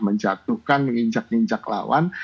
menjatuhkan menginjak ninjak lawan